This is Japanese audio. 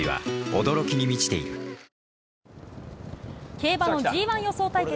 競馬のＧ１予想対決